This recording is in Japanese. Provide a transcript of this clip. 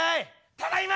ただいま！